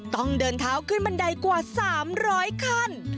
ต้องเดินเท้าขึ้นบันไดกว่า๓๐๐คัน